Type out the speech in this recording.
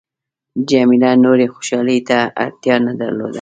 جميله نورې خوشحالۍ ته اړتیا نه درلوده.